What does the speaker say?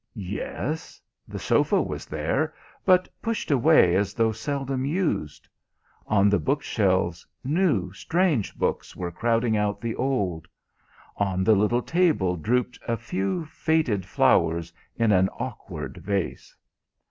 Yes, the sofa was there, but pushed away as though seldom used; on the bookshelves new, strange books were crowding out the old; on the little table drooped a few faded flowers in an awkward vase.